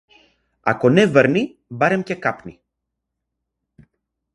Ако не врни, барем ќе капни.